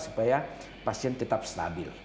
supaya pasien tetap stabil